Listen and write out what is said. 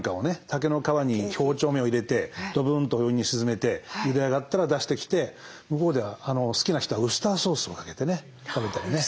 竹の皮に包丁目を入れてドブンとお湯に沈めてゆで上がったら出してきて向こうでは好きな人はウスターソースをかけてね食べたりね。